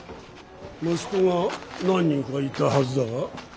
息子は何人かいたはずだが。